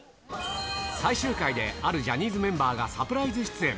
最終回であるジャニーズメンバーがサプライズ出演。